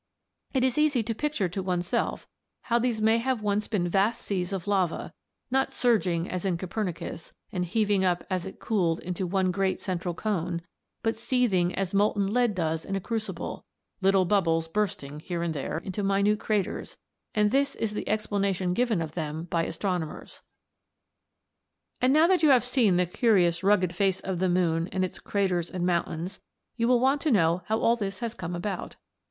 ] "It is easy to picture to oneself how these may once have been vast seas of lava, not surging as in Copernicus, and heaving up as it cooled into one great central cone, but seething as molten lead does in a crucible, little bubbles bursting here and there into minute craters; and this is the explanation given of them by astronomers. "And now that you have seen the curious rugged face of the moon and its craters and mountains, you will want to know how all this has come about.